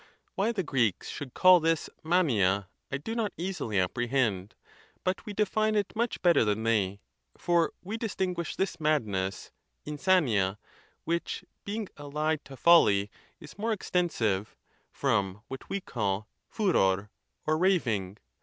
Why the Greeks should call this pavia, I do not easily apprehend; but we define it much bet ter than they, for we distinguish this madness (insania), which, being allied to folly, is more extensive, from what we call furor, or raving.